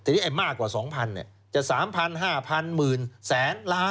ทีนี้ไอ่มากกว่า๒๐๐๐บาทจะ๓๐๐๐๕๐๐๐บาทหมื่นแสนหรอละ